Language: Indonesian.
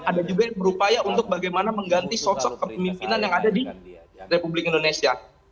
ada juga yang berupaya untuk bagaimana mengganti sosok kepemimpinan yang ada di republik indonesia